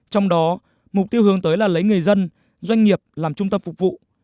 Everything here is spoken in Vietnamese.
trong đó mục tiêu hướng tới là lấy người dân doanh nghiệp làm trung tâm phục vụ